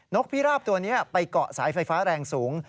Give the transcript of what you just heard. กพิราบตัวนี้ไปเกาะสายไฟฟ้าแรงสูง